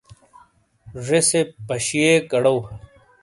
زیسے پیشیک آڑو۔